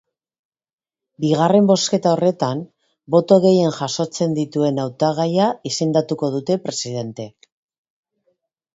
Bigarren bozketa horretan, boto gehien jasotzen dituen hautagaia izendatuko dute presidente.